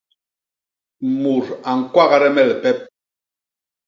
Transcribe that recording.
Mut a ñkwagde me lipep.